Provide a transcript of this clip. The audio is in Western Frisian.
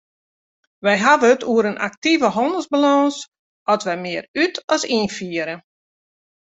Wy hawwe it oer in aktive hannelsbalâns as wy mear út- as ynfiere.